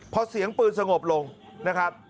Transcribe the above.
พอเสียงปืนสงบลงนะครับ